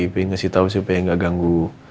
pengen ngasih tau sih pengen gak ganggu